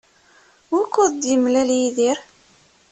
Wukud d-yemlal Yidir?